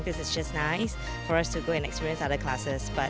jadi saya pikir ini sangat bagus untuk kita untuk mengalami kelas lain